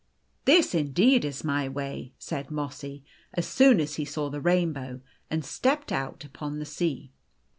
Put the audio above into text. " This indeed is my way," said Mossy, as soon as he saw the rainbow, and stepped out upon the sea.